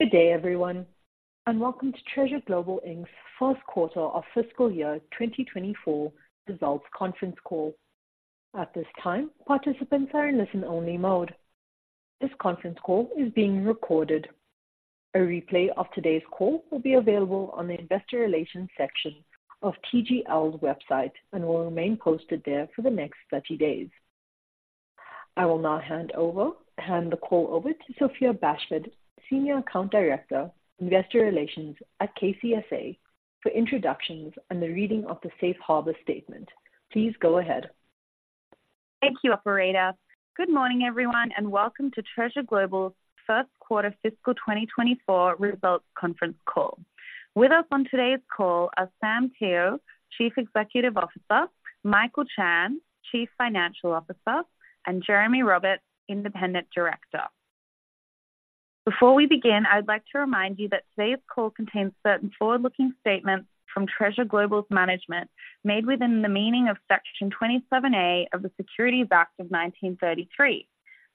Good day, everyone, and welcome to Treasure Global Inc's first quarter of fiscal year 2024 results conference call. At this time, participants are in listen-only mode. This conference call is being recorded. A replay of today's call will be available on the investor relations section of TGL's website and will remain posted there for the next 30 days. I will now hand the call over to Sophia Bashford, Senior Account Director, Investor Relations at KCSA, for introductions and the reading of the safe harbor statement. Please go ahead. Thank you, operator. Good morning, everyone, and welcome to Treasure Global's first quarter fiscal 2024 results conference call. With us on today's call are Sam Teo, Chief Executive Officer, Michael Chan, Chief Financial Officer, and Jeremy Roberts, Independent Director. Before we begin, I'd like to remind you that today's call contains certain forward-looking statements from Treasure Global's management, made within the meaning of Section 27A of the Securities Act of 1933,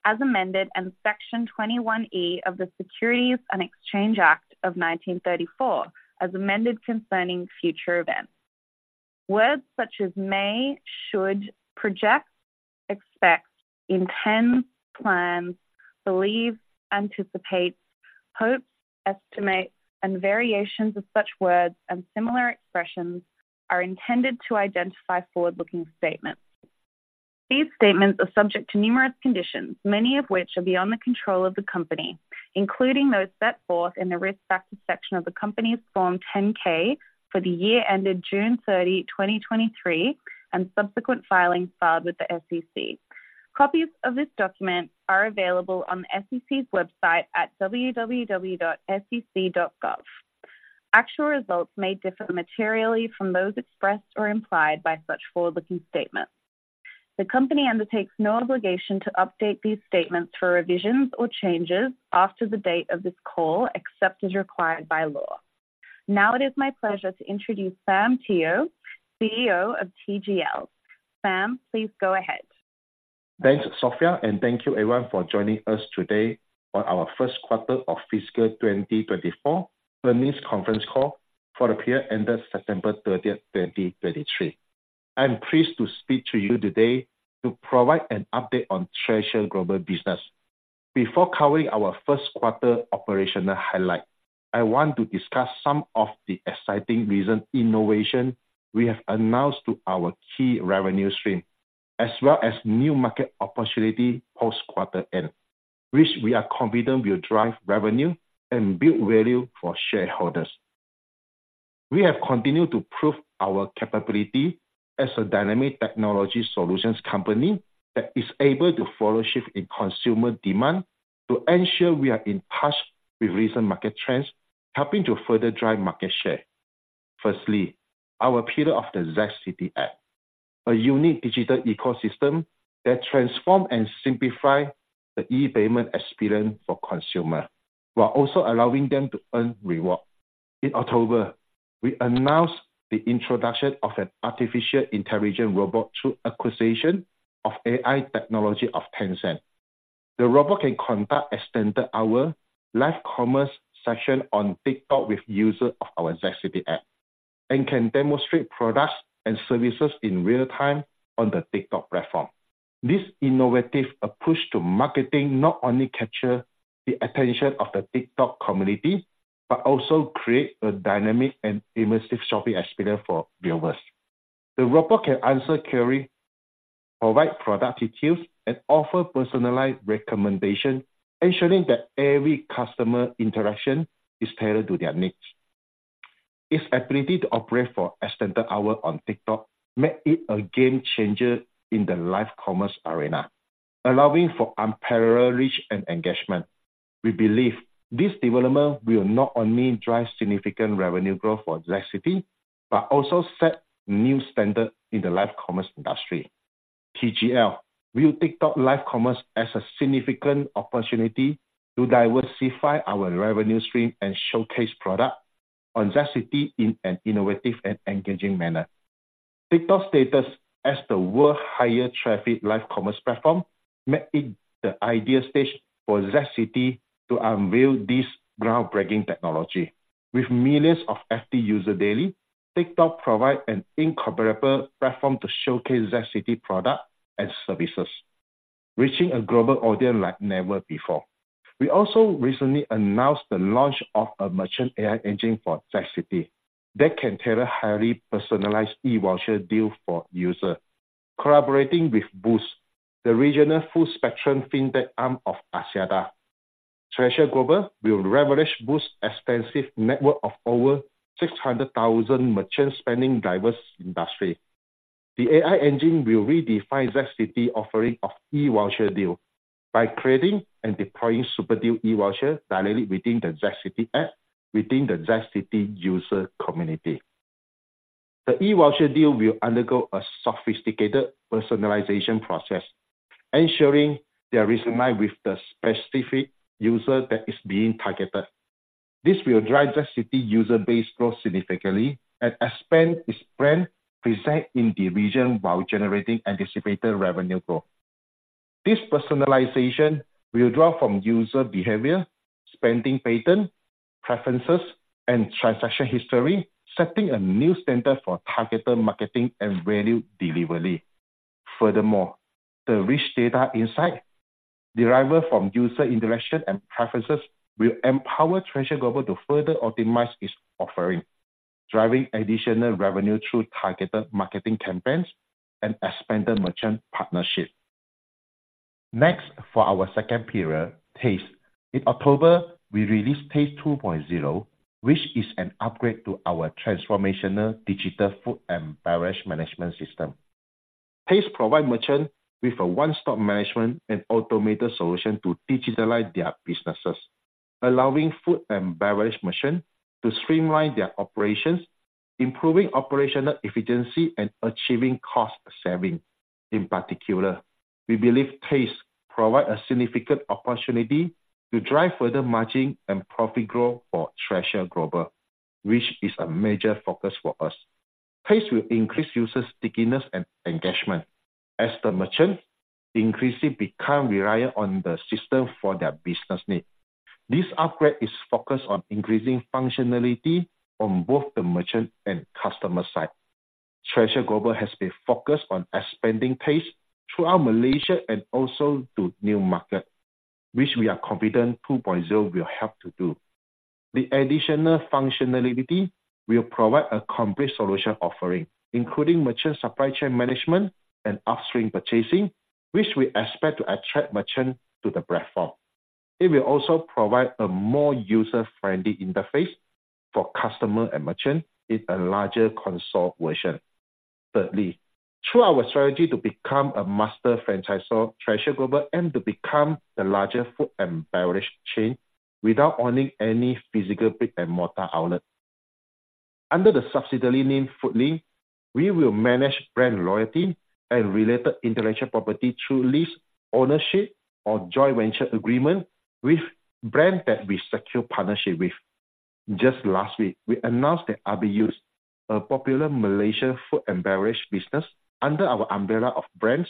as amended, and Section 21E of the Securities and Exchange Act of 1934, as amended concerning future events. Words such as may, should, project, expect, intend, plan, believe, anticipate, hope, estimate, and variations of such words and similar expressions are intended to identify forward-looking statements. These statements are subject to numerous conditions, many of which are beyond the control of the company, including those set forth in the Risk Factors section of the Company's Form 10-K for the year ended June 30, 2023, and subsequent filings filed with the SEC. Copies of this document are available on the SEC's website at www.sec.gov. Actual results may differ materially from those expressed or implied by such forward-looking statements. The company undertakes no obligation to update these statements for revisions or changes after the date of this call, except as required by law. Now it is my pleasure to introduce Sam Teo, CEO of TGL. Sam, please go ahead. Thanks, Sophia, and thank you everyone for joining us today on our first quarter of fiscal 2024 earnings conference call for the period ended September 30, 2023. I'm pleased to speak to you today to provide an update on Treasure Global business. Before covering our first quarter operational highlight, I want to discuss some of the exciting recent innovation we have announced to our key revenue stream, as well as new market opportunity post-quarter end, which we are confident will drive revenue and build value for shareholders. We have continued to prove our capability as a dynamic technology solutions company that is able to follow shift in consumer demand to ensure we are in touch with recent market trends, helping to further drive market share. Firstly, our pillar of the ZCITY app, a unique digital ecosystem that transform and simplify the e-payment experience for consumer, while also allowing them to earn reward. In October, we announced the introduction of an artificial intelligence robot through acquisition of AI technology of Tencent. The robot can conduct extended hour, live commerce session on TikTok with user of our ZCITY app, and can demonstrate products and services in real time on the TikTok platform. This innovative approach to marketing not only capture the attention of the TikTok community, but also create a dynamic and immersive shopping experience for viewers. The robot can answer query, provide product details, and offer personalized recommendation, ensuring that every customer interaction is tailored to their needs. Its ability to operate for extended hour on TikTok make it a game changer in the live commerce arena, allowing for unparalleled reach and engagement. We believe this development will not only drive significant revenue growth for ZCITY, but also set new standard in the live commerce industry. TGL view TikTok live commerce as a significant opportunity to diversify our revenue stream and showcase product on ZCITY in an innovative and engaging manner. TikTok status as the world higher traffic live commerce platform, make it the ideal stage for ZCITY to unveil this groundbreaking technology. With millions of active user daily, TikTok provide an incomparable platform to showcase ZCITY product and services, reaching a global audience like never before. We also recently announced the launch of a merchant AI engine for ZCITY that can tailor highly personalized e-voucher deal for user. Collaborating with Boost, the regional full-spectrum Fintech arm of Axiata, Treasure Global will leverage Boost's extensive network of over 600,000 merchants spanning diverse industry. The AI engine will redefine ZCITY offering of e-voucher deal by creating and deploying super deal e-voucher directly within the ZCITY app, within the ZCITY user community. The e-voucher deal will undergo a sophisticated personalization process, ensuring they resonate with the specific user that is being targeted. This will drive ZCITY user base growth significantly and expand its brand presence in the region while generating anticipated revenue growth.... This personalization will draw from user behavior, spending pattern, preferences, and transaction history, setting a new standard for targeted marketing and value delivery. Furthermore, the rich data insight derived from user interaction and preferences will empower Treasure Global to further optimize its offering, driving additional revenue through targeted marketing campaigns and expanded merchant partnerships. Next, for our second pillar, TAZTE. In October, we released TAZTE 2.0, which is an upgrade to our transformational digital food and beverage management system. TAZTE provide merchant with a one-stop management and automated solution to digitalize their businesses, allowing food and beverage merchant to streamline their operations, improving operational efficiency, and achieving cost savings. In particular, we believe TAZTE provide a significant opportunity to drive further margin and profit growth for Treasure Global, which is a major focus for us. TAZTE will increase users' stickiness and engagement as the merchant increasingly become reliant on the system for their business needs. This upgrade is focused on increasing functionality on both the merchant and customer side. Treasure Global has been focused on expanding TAZTE throughout Malaysia and also to new markets, which we are confident 2.0 will help to do. The additional functionality will provide a complete solution offering, including merchant supply chain management and upstream purchasing, which we expect to attract merchant to the platform. It will also provide a more user-friendly interface for customer and merchant in a larger console version. Thirdly, through our strategy to become a master franchisor, Treasure Global aim to become the largest food and beverage chain without owning any physical brick-and-mortar outlet. Under the subsidiary named Foodlink, we will manage brand loyalty and related intellectual property through lease, ownership, or joint venture agreement with brands that we secure partnership with. Just last week, we announced that Abe Yus, a popular Malaysian food and beverage business under our umbrella of brands,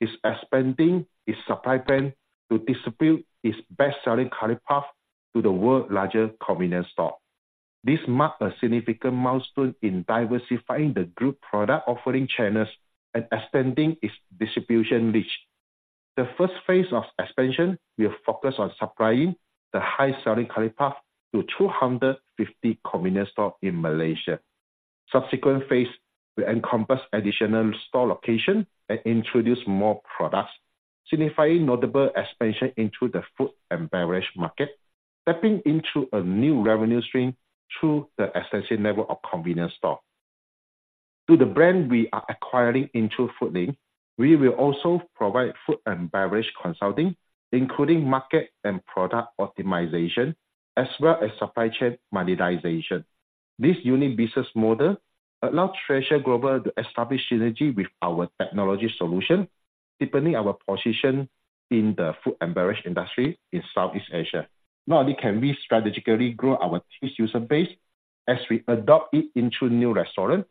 is expanding its supply chain to distribute its best-selling curry puff to the world's largest convenience store. This marked a significant milestone in diversifying the group product offering channels and extending its distribution reach. The first phase of expansion will focus on supplying the high-selling curry puff to 250 convenience stores in Malaysia. Subsequent phases will encompass additional store locations and introduce more products, signifying notable expansion into the food and beverage market, tapping into a new revenue stream through the extensive network of convenience stores. To the brand we are acquiring into Foodlink, we will also provide food and beverage consulting, including market and product optimization, as well as supply chain monetization. This unique business model allows Treasure Global to establish synergy with our technology solution, deepening our position in the food and beverage industry in Southeast Asia. Not only can we strategically grow our TAZTE user base as we adopt it into new restaurants,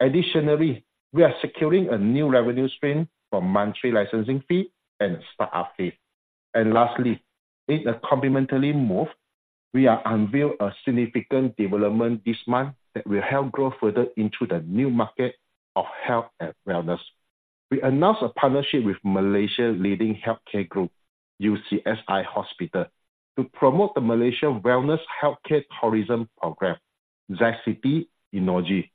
additionally, we are securing a new revenue stream from monthly licensing fee and setup fee. Lastly, in a complementary move, we are unveil a significant development this month that will help grow further into the new market of health and wellness. We announced a partnership with Malaysia's leading healthcare group, UCSI Hospital, to promote the Malaysian Wellness Healthcare Tourism program, ZCITY, Enogy.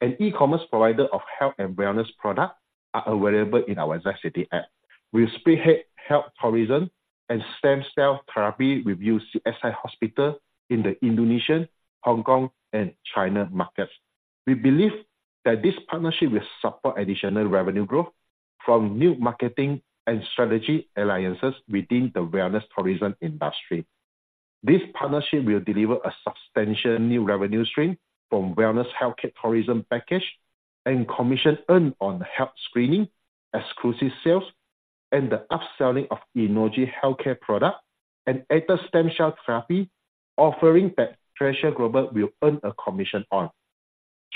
An e-commerce provider of health and wellness products are available in our ZCITY app. We'll spearhead health tourism and stem cell therapy with UCSI Hospital in the Indonesian, Hong Kong, and China markets. We believe that this partnership will support additional revenue growth from new marketing and strategy alliances within the wellness tourism industry. This partnership will deliver a substantial new revenue stream from wellness healthcare tourism package and commission earned on health screening, exclusive sales, and the upselling of Enogy healthcare products, and after stem cell therapy, offering that Treasure Global will earn a commission on.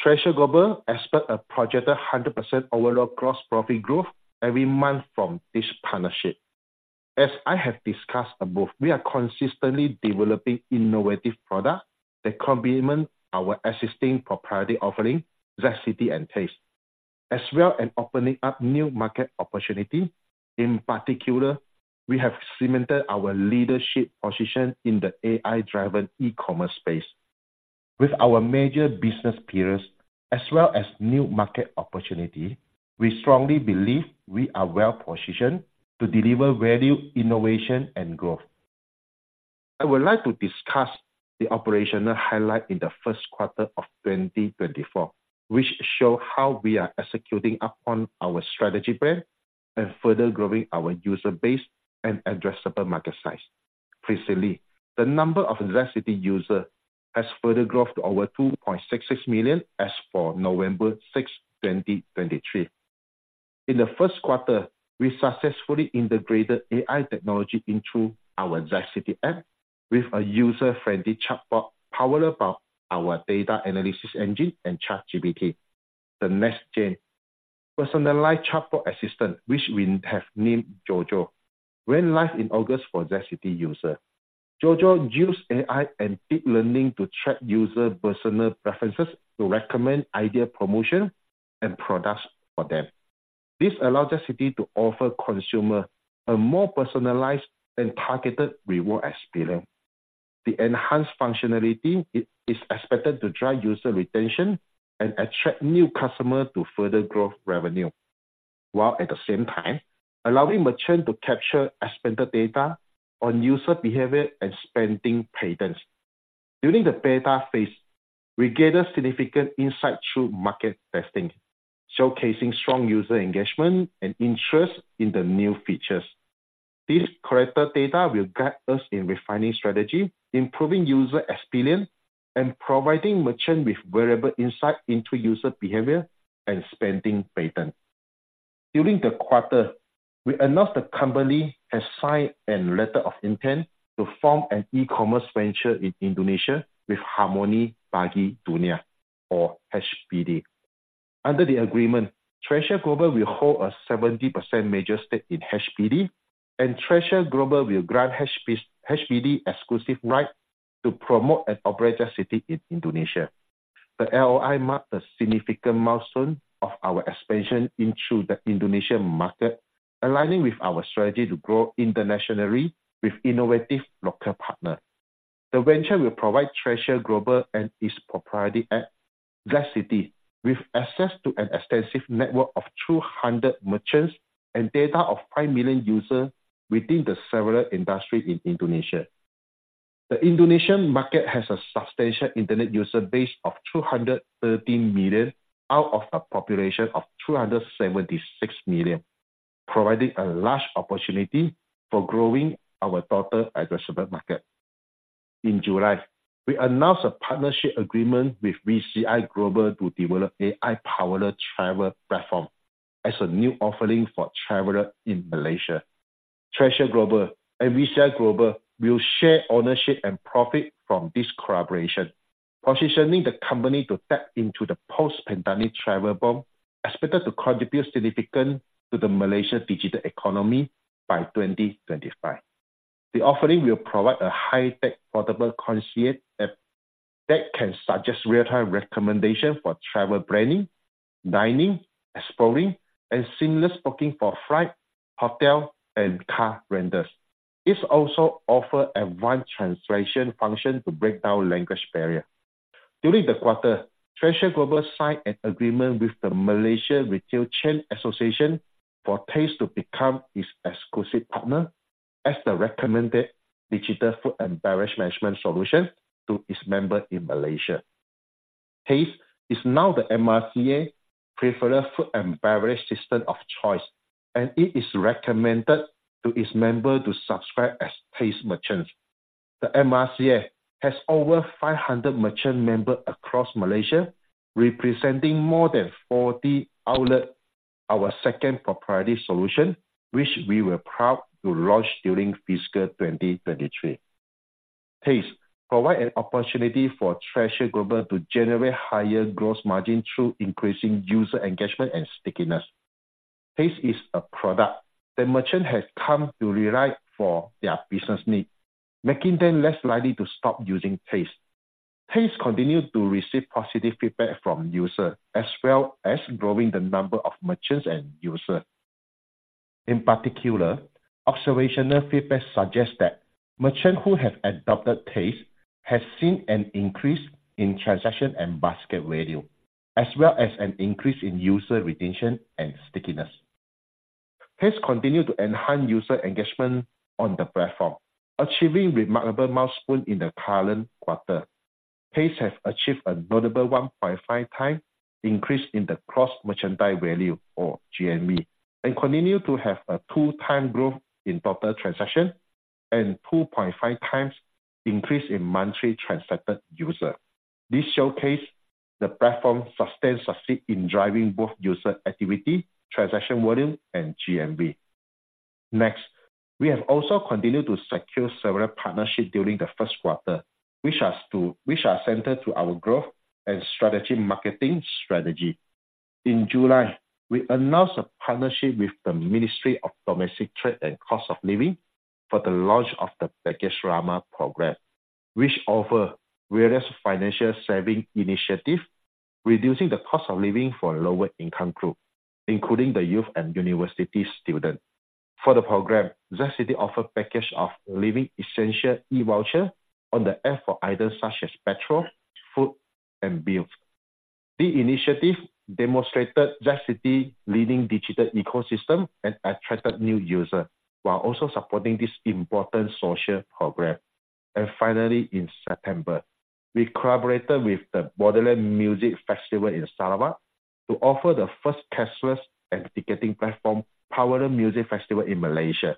Treasure Global expects a projected 100% overall gross profit growth every month from this partnership. As I have discussed above, we are consistently developing innovative products that complement our existing proprietary offering, ZCITY and TAZTE, as well as opening up new market opportunities. In particular, we have cemented our leadership position in the AI-driven e-commerce space. With our major business pillars, as well as new market opportunities, we strongly believe we are well-positioned to deliver value, innovation, and growth. I would like to discuss the operational highlight in the first quarter of 2024, which show how we are executing upon our strategy plan and further growing our user base and addressable market size. Recently, the number of ZCITY user has further grown to over 2.66 million as for November 6, 2023. In the first quarter, we successfully integrated AI technology into our ZCITY app with a user-friendly chatbot powered by our data analysis engine and ChatGPT. The next gen personalized chatbot assistant, which we have named Jojo, went live in August for ZCITY user. Jojo use AI and deep learning to track user personal preferences to recommend ideal promotion and products for them. This allows ZCITY to offer consumer a more personalized and targeted reward experience. The enhanced functionality is expected to drive user retention and attract new customers to further grow revenue, while at the same time allowing merchant to capture expanded data on user behavior and spending patterns. During the beta phase, we gained a significant insight through market testing, showcasing strong user engagement and interest in the new features. This collected data will guide us in refining strategy, improving user experience, and providing merchant with valuable insight into user behavior and spending pattern. During the quarter, we announced the company has signed a letter of intent to form an e-commerce venture in Indonesia with Harmoni Bagi Dunia or HBD. Under the agreement, Treasure Global will hold a 70% major stake in HBD, and Treasure Global will grant HBD exclusive right to promote and operate ZCITY in Indonesia. The LOI marked a significant milestone of our expansion into the Indonesian market, aligning with our strategy to grow internationally with innovative local partners. The venture will provide Treasure Global and its proprietary app, ZCITY, with access to an extensive network of 200 merchants and data of five million users within the several industry in Indonesia. The Indonesian market has a substantial internet user base of 213 million, out of a population of 276 million, providing a large opportunity for growing our total addressable market. In July, we announced a partnership agreement with VCI Global to develop AI-powered travel platform as a new offering for travelers in Malaysia. Treasure Global and VCI Global will share ownership and profit from this collaboration, positioning the company to tap into the post-pandemic travel boom, expected to contribute significantly to the Malaysia digital economy by 2025. The offering will provide a high-tech portable concierge app that can suggest real-time recommendation for travel planning, dining, exploring, and seamless booking for flight, hotel, and car rentals. It also offer advanced translation function to break down language barrier. During the quarter, Treasure Global signed an agreement with the Malaysian Retail Chain Association for TAZTE to become its exclusive partner as the recommended digital food and beverage management solution to its members in Malaysia. TAZTE is now the MRCA preferred food and beverage system of choice, and it is recommended to its members to subscribe as TAZTE merchants. The MRCA has over 500 merchant members across Malaysia, representing more than 40 outlets. Our second proprietary solution, which we were proud to launch during fiscal year 2023. TAZTE provide an opportunity for Treasure Global to generate higher growth margin through increasing user engagement and stickiness. TAZTE is a product that merchants have come to rely for their business needs, making them less likely to stop using TAZTE. TAZTE continue to receive positive feedback from users, as well as growing the number of merchants and users. In particular, observational feedback suggests that merchants who have adopted TAZTE has seen an increase in transaction and basket value, as well as an increase in user retention and stickiness. TAZTE continue to enhance user engagement on the platform, achieving remarkable milestone in the current quarter. TAZTE have achieved a notable 1.5x increase in the gross merchandise value, or GMV, and continue to have a 2x growth in total transactions, and 2.5x increase in monthly transacted users. This showcase the platform's sustained success in driving both user activity, transaction volume, and GMV. Next, we have also continued to secure several partnerships during the first quarter, which are which are centered to our growth and marketing strategy. In July, we announced a partnership with the Ministry of Domestic Trade and Cost of Living for the launch of the Pakej RAHMAH program, which offer various financial saving initiative, reducing the cost of living for lower-income group, including the youth and university students. For the program, ZCITY offered package of living essential e-voucher on the app for items such as petrol, food, and bills. The initiative demonstrated ZCITY leading digital ecosystem and attracted new users, while also supporting this important social program. Finally, in September, we collaborated with the Borderland Music Festival in Sarawak to offer the first cashless and ticketing platform powered music festival in Malaysia,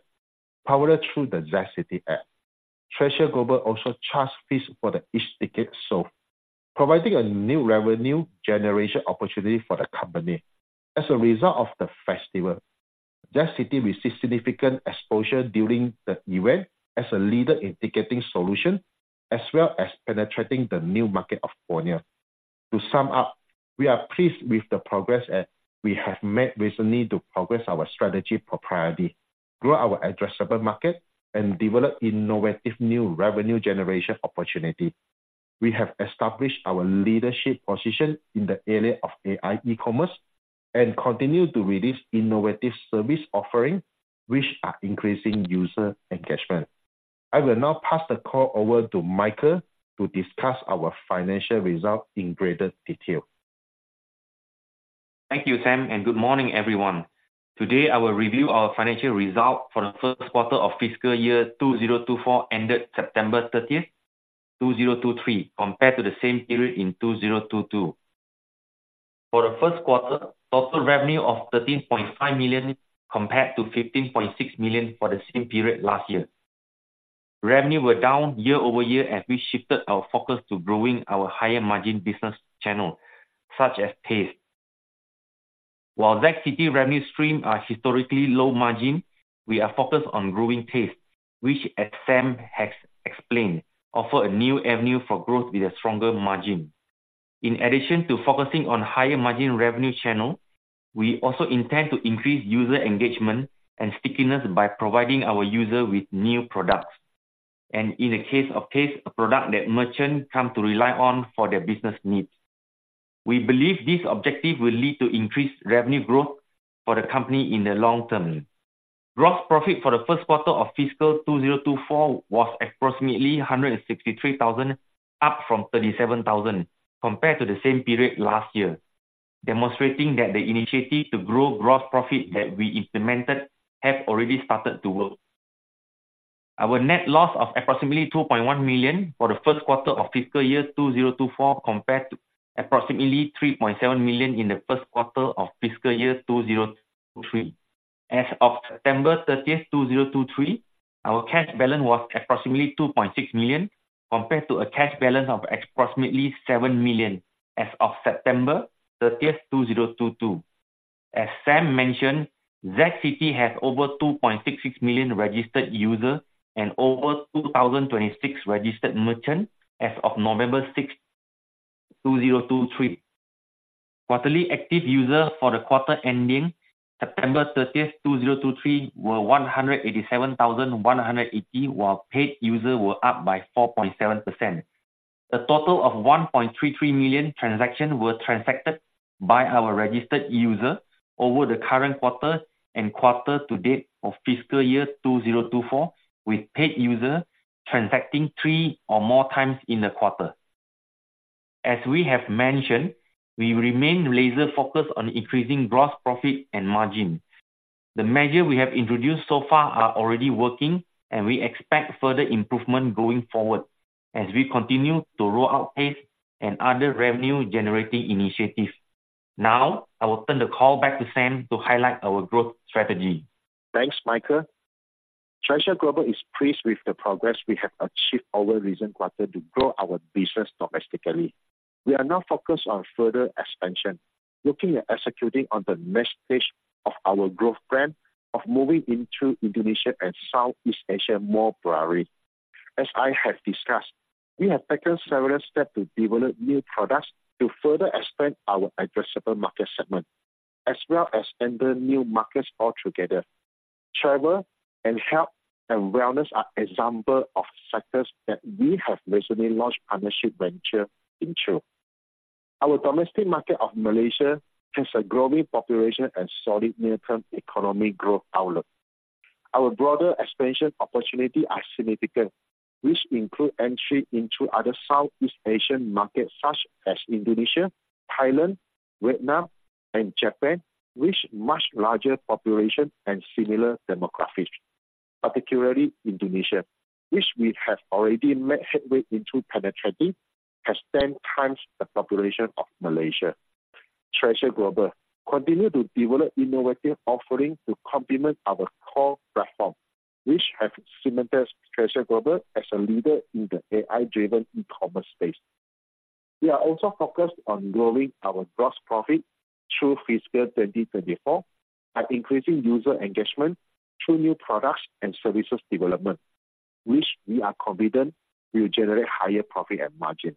powered through the ZCITY app. Treasure Global also charged fees for the each ticket sold, providing a new revenue generation opportunity for the company. As a result of the festival-... ZCITY received significant exposure during the event as a leader in ticketing solution, as well as penetrating the new market of Borneo. To sum up, we are pleased with the progress that we have made recently to progress our strategy priority, grow our addressable market, and develop innovative new revenue generation opportunity. We have established our leadership position in the area of AI e-commerce, and continue to release innovative service offerings, which are increasing user engagement. I will now pass the call over to Michael to discuss our financial results in greater detail. Thank you, Sam, and good morning, everyone. Today, I will review our financial results for the first quarter of fiscal year 2024, ended September 30, 2023, compared to the same period in 2022. For the first quarter, total revenue of $13.5 million, compared to $15.6 million for the same period last year. Revenue were down year-over-year, as we shifted our focus to growing our higher margin business channel, such as TAZTE. While ZCITY revenue stream are historically low margin, we are focused on growing TAZTE, which, as Sam has explained, offer a new avenue for growth with a stronger margin. In addition to focusing on higher margin revenue channel, we also intend to increase user engagement and stickiness by providing our user with new products. In the case of TAZTE, a product that merchants come to rely on for their business needs. We believe this objective will lead to increased revenue growth for the company in the long term. Gross profit for the first quarter of fiscal year 2024 was approximately $163,000, up from $37,000, compared to the same period last year, demonstrating that the initiative to grow gross profit that we implemented have already started to work. Our net loss of approximately $2.1 million for the first quarter of fiscal year 2024, compared to approximately $3.7 million in the first quarter of fiscal year 2023. As of September 30, 2023, our cash balance was approximately $2.6 million, compared to a cash balance of approximately $7 million as of September 30, 2022. As Sam mentioned, ZCITY has over 2.6 million registered users and over 2,026 registered merchants as of November 6, 2023. Quarterly active users for the quarter ending September 30, 2023, were 187,180, while paid users were up by 4.7%. A total of 1.33 million transactions were transacted by our registered user over the current quarter and quarter to date of fiscal year 2024, with paid user transacting three or more times in the quarter. As we have mentioned, we remain laser focused on increasing gross profit and margin. The measures we have introduced so far are already working, and we expect further improvement going forward as we continue to roll out TAZTE and other revenue-generating initiatives. Now, I will turn the call back to Sam to highlight our growth strategy. Thanks, Michael. Treasure Global is pleased with the progress we have achieved over recent quarter to grow our business domestically. We are now focused on further expansion, looking at executing on the next stage of our growth plan of moving into Indonesia and Southeast Asia more broadly. As I have discussed, we have taken several steps to develop new products to further expand our addressable market segment, as well as enter new markets altogether. Travel and health and wellness are example of sectors that we have recently launched partnership venture into. Our domestic market of Malaysia has a growing population and solid midterm economic growth outlook. Our broader expansion opportunity are significant, which include entry into other Southeast Asian markets such as Indonesia, Thailand, Vietnam, and Japan, which much larger population and similar demographics, particularly Indonesia, which we have already made headway into penetrating, has 10 times the population of Malaysia. Treasure Global continue to develop innovative offerings to complement our core platform, which have cemented Treasure Global as a leader in the AI-driven e-commerce space. We are also focused on growing our gross profit through fiscal year 2024, and increasing user engagement through new products and services development, which we are confident will generate higher profit and margin.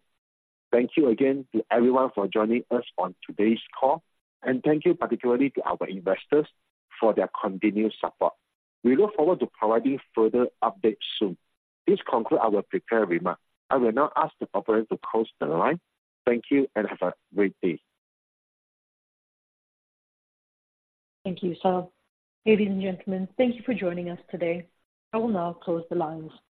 Thank you again to everyone for joining us on today's call, and thank you particularly to our investors for their continued support. We look forward to providing further updates soon. This concludes our prepared remarks. I will now ask the operator to close the line. Thank you and have a great day. Thank you, Sam. Ladies and gentlemen, thank you for joining us today. I will now close the lines.